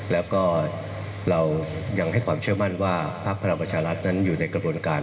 แล้วก็เรายังให้ความเชื่อมั่นว่าพักพลังประชารัฐนั้นอยู่ในกระบวนการ